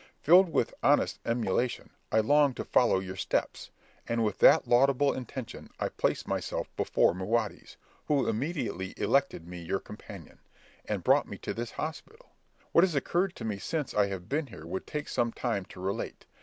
Filled with honest emulation, I longed to follow your steps; and, with that laudable intention, I placed myself before Mahudes, who immediately elected me your companion, and brought me to this hospital. What has occurred to me since I have been here would take some time to relate.